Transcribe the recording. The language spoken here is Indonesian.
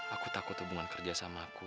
aku takut hubungan kerja sama aku